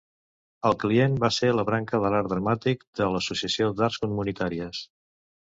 El client va ser la branca de Art dramàtic de l'Associació d'Arts Comunitàries.